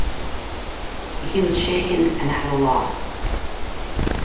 He was shaken and at a loss.